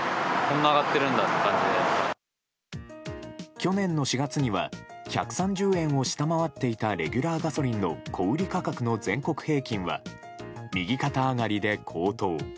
去年の４月には１３０円を下回っていたレギュラーガソリンの小売価格の全国平均は右肩上がりで高騰。